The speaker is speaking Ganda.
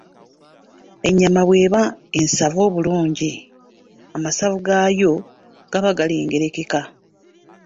Ennyama bw’eba ensava obulungi, amasavu gaayo gaba galengerekeka.